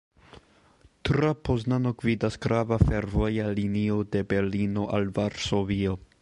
Tra Poznano gvidas grava fervoja linio de Berlino al Varsovio.